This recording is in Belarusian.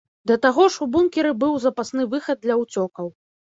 Да таго ж у бункеры быў запасны выхад для ўцёкаў.